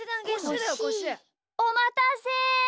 おまたせ。